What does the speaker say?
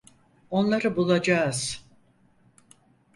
Onları bulacağız.